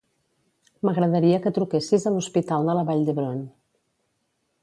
M'agradaria que truquessis a l'Hospital de la Vall d'Hebron.